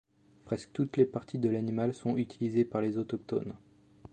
Presque toutes les parties de l'animal sont utilisées par les autochtones.